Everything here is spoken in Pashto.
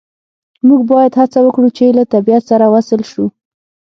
موږ باید هڅه وکړو چې له طبیعت سره وصل شو